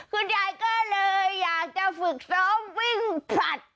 คุณยายก็เลยอยากจะฝึกซ้อมวิ่งผลัด